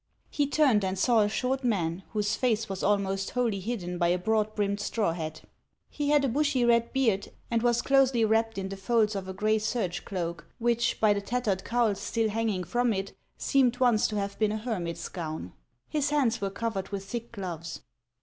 He turned and saw a short man, whose face was almost wholly hidden by a broad brimmed straw hat. He had a bushy red beard, and was closely 390 HANS OF ICELAND. wrapped in the folds of a gray serge cloak, which, by the tattered cowl still hanging from it, seemed once to have been a hermit's gown. His hands were covered with thick gloves.